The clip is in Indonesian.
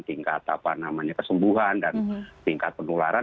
tingkat kesembuhan dan tingkat penularan